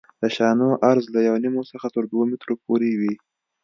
د شانو عرض له یو نیم څخه تر دوه مترو پورې وي